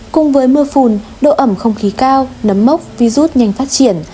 cùng với mưa phùn độ ẩm không khí cao nấm mốc vi rút nhanh phát triển